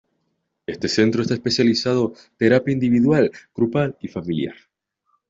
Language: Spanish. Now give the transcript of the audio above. Este centro está especializado terapia individual, grupal y familiar.